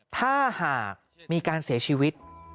ถ้าหากมีการเสียชีวิต